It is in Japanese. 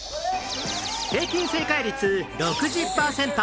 平均正解率６０パーセント